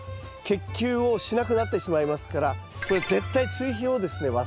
結球をしなくなってしまいますからこれ絶対追肥をですね